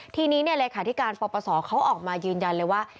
ทีนี้เลขาธิการปปศเขาออกมายืนยันเลยว่า